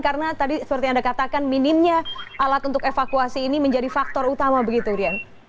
karena tadi seperti anda katakan minimnya alat untuk evakuasi ini menjadi faktor utama begitu dian